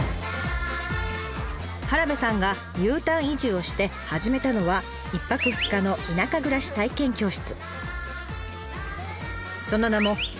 原部さんがＵターン移住をして始めたのは１泊２日の田舎暮らし体験教室。